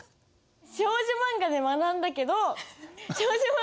少女漫画で学んだけど少女漫画。